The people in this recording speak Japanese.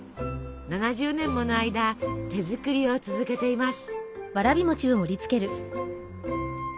７０年もの間手作りを続けています。